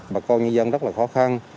bà con nhân dân rất là khó khăn